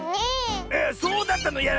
えそうだったの？